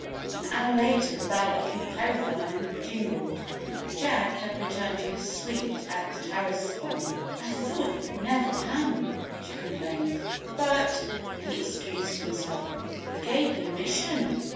An hour later the bell of her telephone jingled. Jack had returned to his suite at the Tarascon. "I thought you'd never come!" she complained. "But," he excused himself, "you gave me a mission.